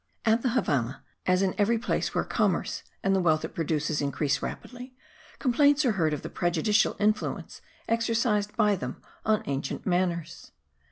At the Havannah, as in every place where commerce and the wealth it produces increase rapidly, complaints are heard of the prejudicial influence exercised by them on ancient manners.